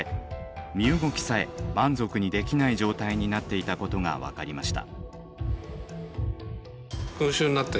身動きさえ満足にできない状態になっていたことが分かりました。